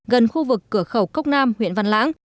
gần khu vực cửa khẩu cốc nam huyện văn lãng